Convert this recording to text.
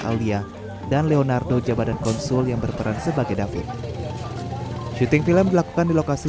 alia dan leonardo jabadan konsul yang berperan sebagai david syuting film dilakukan di lokasi